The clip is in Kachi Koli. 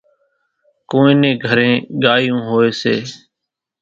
ڪونئين نين گھرين ڳايوُن هوئيَ سي۔